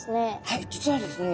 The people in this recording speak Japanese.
はい実はですね